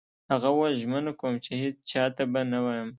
هغه وویل: ژمنه کوم چي هیڅ چا ته به نه وایم.